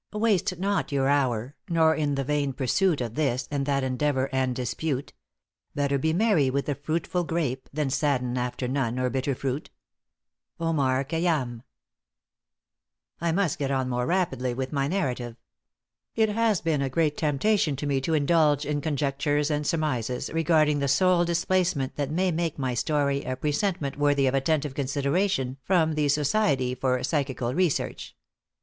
* Waste not your hour, nor in the vain pursuit Of this and that endeavor and dispute; Better be merry with the fruitful grape Than sadden after none, or bitter fruit. Omar Kháyyám. I must get on more rapidly with my narrative. It has been a great temptation to me to indulge in conjectures and surmises regarding the soul displacement that may make my story a presentment worthy of attentive consideration from the Society for Psychical Research.